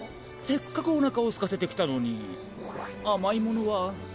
せっかくおなかをすかせてきたのにあまいものは？